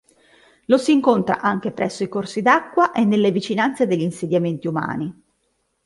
Lo si incontra anche presso i corsi d'acqua e nelle vicinanze degli insediamenti umani.